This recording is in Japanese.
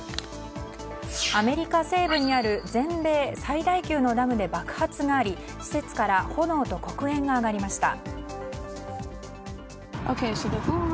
アメリカ西部にある全米最大級のダムで爆発があり施設から炎と黒煙が上がりました。